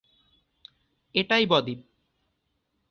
এটাই বদ্বীপ।